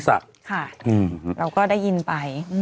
เราก็ได้ยินไป